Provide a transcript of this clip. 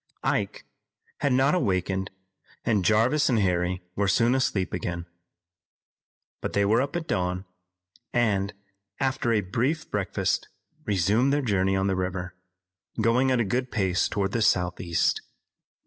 Ike had not awakened and Jarvis and Harry were soon asleep again. But they were up at dawn, and, after a brief breakfast, resumed their journey on the river, going at a good pace toward the southeast.